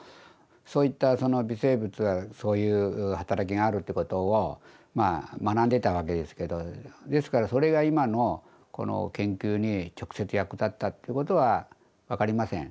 そういった微生物がそういう働きがあるってことを学んでたわけですけどですからそれが今のこの研究に直接役立ったっていうことは分かりません。